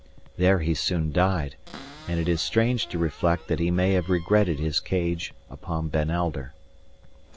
There he soon died; and it is strange to reflect that he may have regretted his Cage upon Ben Alder.